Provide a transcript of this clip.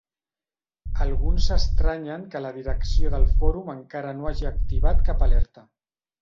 Alguns s'estranyen que la direcció del Fòrum encara no hagi activat cap alerta.